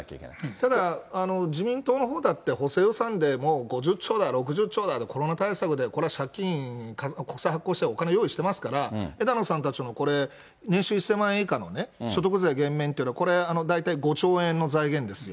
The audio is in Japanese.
ただ、自民党のほうだって補正予算で、もう５０兆だ、６０兆だ、コロナ対策でこれは借金、国債発行してお金用意してますから、枝野さんたちもこれ、年収１０００万円以下のね、所得税減免っていうのは、これ、大体５兆円の財源ですよ。